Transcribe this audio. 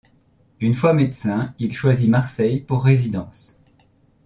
Une fois médecin, il choisit Marseille pour résidence.